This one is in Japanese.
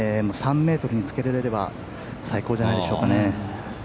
３ｍにつけられれば最高じゃないでしょうかね。